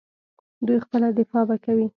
دوی خپله دفاع به کوي.